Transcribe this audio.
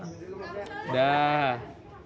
ini dulu maaf ya